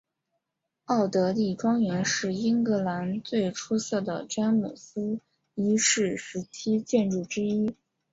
奥德莉庄园是英格兰最出色的詹姆斯一世时期建筑之一。